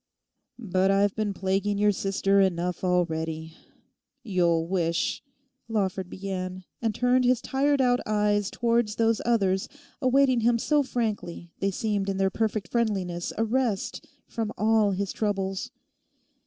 'But I've been plaguing your sister enough already. You'll wish...' Lawford began, and turned his tired out eyes towards those others awaiting them so frankly they seemed in their perfect friendliness a rest from all his troubles.